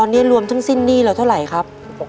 ตอนนี้รวมทั้งสิ้นหนี้เราเท่าไหร่ครับ